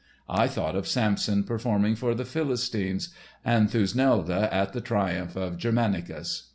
I thought of Samson performing for the Philistines and Thusnelda at the triumph of Germanicus.